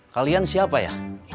kalian siapa ya